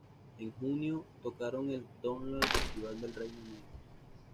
En junio, tocaron en el Download Festival del Reino Unido.